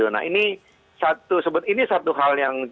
nah ini satu hal yang